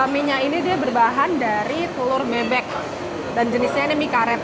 mie nya ini dia berbahan dari telur bebek dan jenisnya ini mie karet